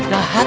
mas suha jahat